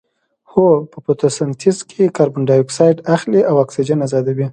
هو په فتوسنتیز کې کاربن ډای اکسایډ اخلي او اکسیجن ازادوي